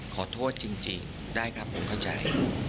ขอโทษจริงได้ครับผมเข้าใจ